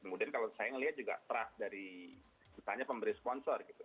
kemudian kalau saya melihat juga trust dari misalnya pemberi sponsor gitu